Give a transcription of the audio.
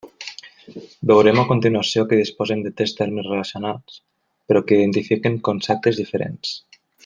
Veurem a continuació que disposem de tres termes relacionats però que identifiquen conceptes diferents.